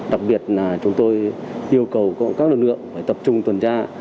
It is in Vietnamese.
đặc biệt là chúng tôi yêu cầu các lực lượng phải tập trung tuần tra